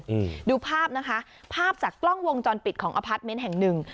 อืมดูภาพนะคะภาพจากกล้องวงจรปิดของอพาร์ทเมนต์แห่งหนึ่ง